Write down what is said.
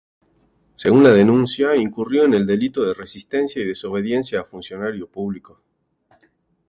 Según la denuncia, incurrió en el delito de "resistencia y desobediencia a funcionario público".